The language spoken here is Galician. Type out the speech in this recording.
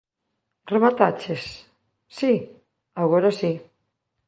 Remataches? Si? Agora si.